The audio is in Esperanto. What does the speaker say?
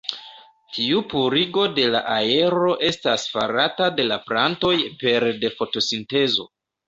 Tiu purigo de la aero estas farata de la plantoj pere de fotosintezo.